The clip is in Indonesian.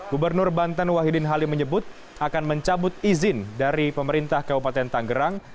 gubernur banten wahidin halim menyebut akan mencabut izin dari pemerintah kabupaten tanggerang